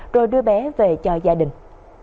rồi đưa bé về cho gia đình